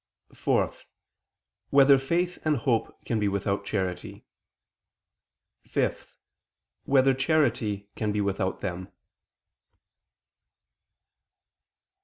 (4) Whether faith and hope can be without charity? (5) Whether charity can be without them?